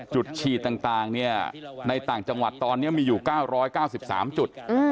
จุดฉีดต่างในต่างจังหวัดตอนนี้มีอยู่๙๙๓จุด